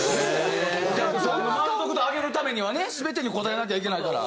お客さんの満足度上げるためにはね全てに応えなきゃいけないから。